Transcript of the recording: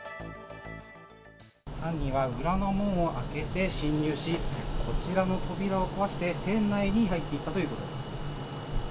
犯人は裏の門を開けて侵入し、こちらの扉を壊して、店内に入っていったということです。